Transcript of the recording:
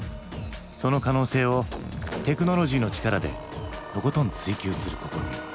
その可能性をテクノロジーの力でとことん追求する試み。